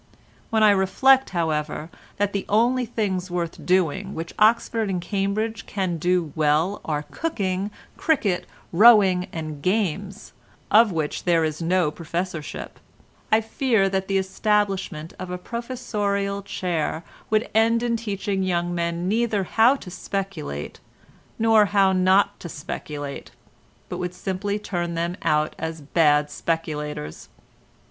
When I reflect, however, that the only things worth doing which Oxford and Cambridge can do well are cooking, cricket, rowing and games, of which there is no professorship, I fear that the establishment of a professorial chair would end in teaching young men neither how to speculate, nor how not to speculate, but would simply turn them out as bad speculators.